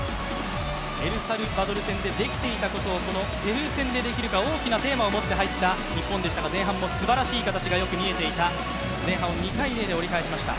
エルサルバドル戦でできていたことをこのペルー戦でできるか、大きなテーマを持って入った日本でしたが、すばらしい形がよく見えていた前半２−０で折り返しました。